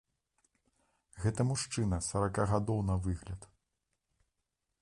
Гэта мужчына сарака гадоў на выгляд.